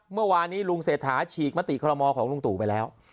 เมื่อวานนี้ลุงเศรษฐาฉีกมติคอลโมของลุงตู่ไปแล้ว